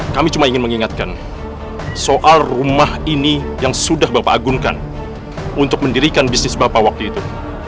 kami cuma ingin mengingatkan soal rumah ini yang sudah bapak agunkan untuk mendirikan bisnis bapak waktu itu